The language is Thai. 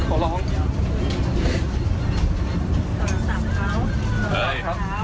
อะไร